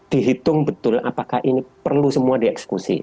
dihitung betul apakah ini perlu semua dieksekusi